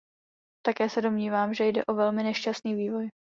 Také se domnívám, že jde o velmi nešťastný vývoj.